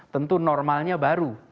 tentu normalnya baru